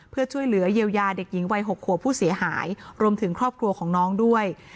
เพื่อช่วยเหลือเยียวยาเด็กหญิงวัย๖ขวบผู้เสียหายรวมถึงครอบครัวของน้องด้วย